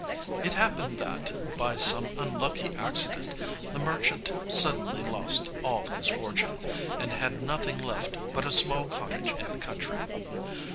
It happened that, by some unlucky accident, the merchant suddenly lost all his fortune, and had nothing left but a small cottage in the country.